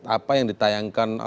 apa yang ditayangkan